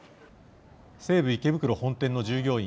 西武池袋本店の従業員